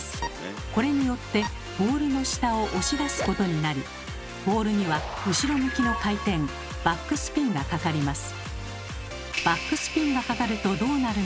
これによってボールの下を押し出すことになりボールには後ろ向きの回転バックスピンがかかります。